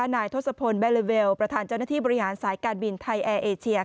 นายทศพลแบลเลเวลประธานเจ้าหน้าที่บริหารสายการบินไทยแอร์เอเชีย